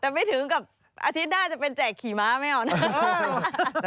แต่ไม่ถึงกับอาทิตย์หน้าจะเป็นแจกขี่ม้าไม่เอานะ